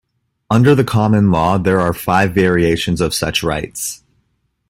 Under the common law, there are five variations of such rights.